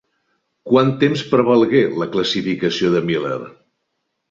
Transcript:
Quant temps prevalgué la classificació de Miller?